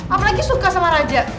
apalagi suka sama raja